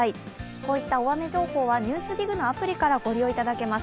こういった大雨情報は「ＮＥＷＳＤＩＧ」のアプリからもご利用いただけます。